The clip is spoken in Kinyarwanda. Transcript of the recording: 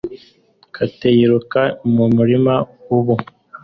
Kate yiruka mu murima ubu